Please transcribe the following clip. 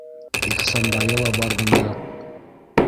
Ихсанбайы ла бар бында.